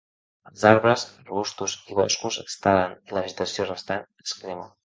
Els arbres, arbustos i boscos es talen i la vegetació restant es crema.